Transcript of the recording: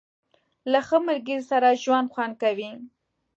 • له ښه ملګري سره ژوند خوند کوي.